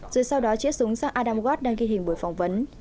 rồi sau đó chiếc súng sang adam watt đăng ký hình buổi phỏng vấn